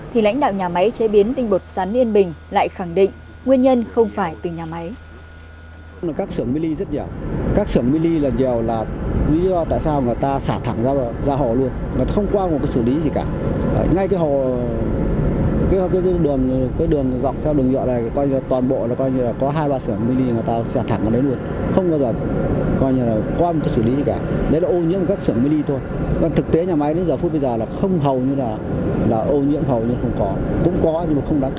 thì lãnh đạo nhà máy chế biến tinh bột sắn yên bình lại khẳng định nguyên nhân không phải từ nhà máy